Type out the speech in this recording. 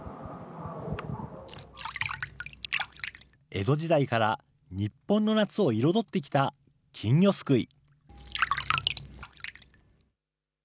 江戸時代から日本の夏を彩ってきた金魚すくい。